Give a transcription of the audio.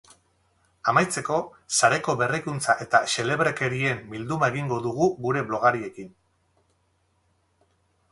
Amaitzeko, sareko berrikuntza eta xelebrekerien bilduma egingo dugu gure blogariekin.